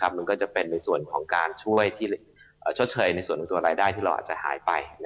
มันก็จะเป็นในส่วนของการช่วยที่ชดเชยในส่วนตัวรายได้ที่เราอาจจะหายไป